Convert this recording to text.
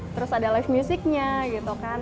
terus ada live musicnya gitu kan